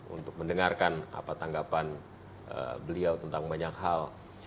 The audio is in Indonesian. untuk mendengarkan apa tanggapan beliau tentang banyak hal